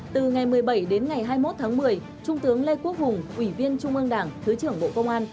từ ngày một mươi bảy đến ngày hai mươi một tháng một mươi trung tướng lê quốc hùng ủy viên trung ương đảng thứ trưởng bộ công an